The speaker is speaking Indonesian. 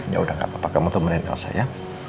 yaudah gak apa apa kamu temenin elsa ya